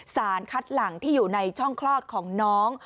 สารคัดหลังที่อยู่ในช่องคลอดของน้อง